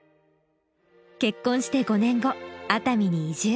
結婚して５年後熱海に移住。